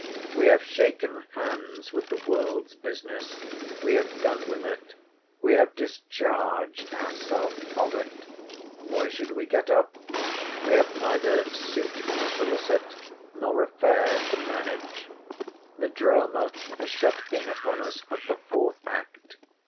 We have shaken hands with the world's business; we have done with it; we have discharged ourself of it. Why should we get up? we have neither suit to solicit, nor affairs to manage. The drama has shut in upon us at the fourth act.